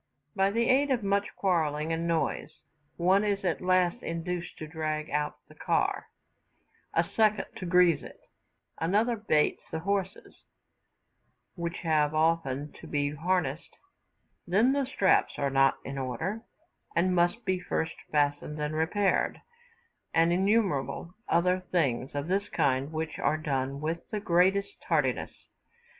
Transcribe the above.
By the aid of much quarrelling and noise, one is at last induced to drag out the car, a second to grease it, another baits the horses, which have often to be harnessed, then the straps are not in order, and must be first fastened and repaired; and innumerable other things of this kind, which are done with the greatest tardiness.